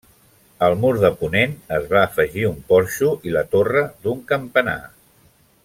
Al mur de ponent es va afegir un porxo i la torre d'un campanar.